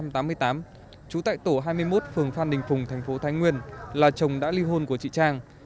trú tại tổ hai mươi một phường phan đình phùng thành phố thái nguyên là chồng đã ly hôn của chị trang